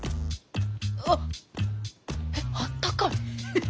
あっ！えっあったかい。